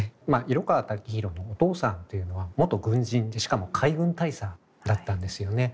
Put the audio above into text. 色川武大のお父さんっていうのは元軍人でしかも海軍大佐だったんですよね。